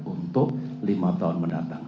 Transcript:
untuk lima tahun mendatang